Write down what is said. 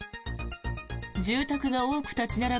住宅が多く立ち並ぶ